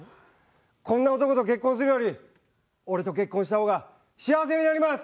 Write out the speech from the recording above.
こんな男と結婚するより俺と結婚した方が幸せになります！